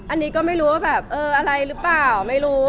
อันนี้ก็ไม่รู้ว่าแบบเอออะไรหรือเปล่าไม่รู้